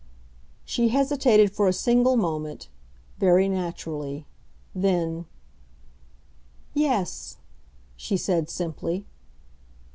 She hesitated for a single moment—very naturally. Then, "Yes," she said, simply.